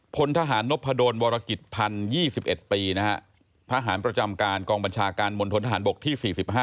พลทหารนพดลวรกิจพันธ์๒๑ปีนะฮะทหารประจำการกองบัญชาการมณฑนทหารบกที่๔๕